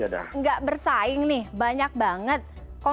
terus saya jumpa di abangku